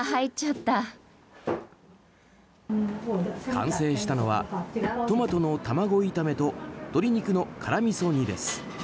完成したのはトマトの卵炒めと鶏肉の辛みそ煮です。